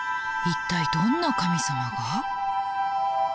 一体どんな神様が？